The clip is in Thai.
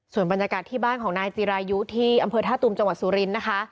ส่วนบรรยากาศที่บ้านของนายจีรายุที่อำเภอท่าตุมจังหวัดสุรินทร์นะคะ